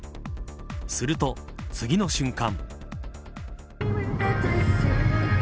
すると、次の瞬間。